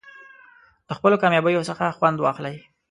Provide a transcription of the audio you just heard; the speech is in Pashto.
د خپلو کامیابیو څخه خوند واخلئ.